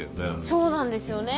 そうなんですよね。